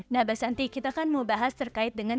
nah mbak santi kita kan mau bahas terkait dengan